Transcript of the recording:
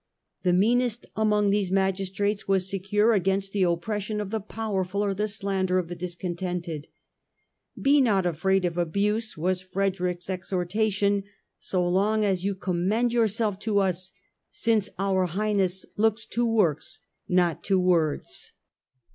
The meanest among these magistrates was secure against the oppression of the powerful or the slander of the discontented. " Be not afraid of abuse," was Frederick's exhortation, " so long as you commend yourself to us ; since our Highness looks to works, not to words."